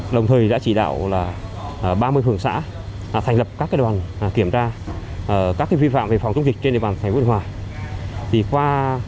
đồng thời đã chỉ đạo ba mươi phường xã thành lập các đoàn kiểm tra các vi phạm về phòng chống dịch trên địa bàn thành phố biên hòa